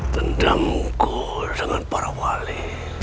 tendangku dengan para wali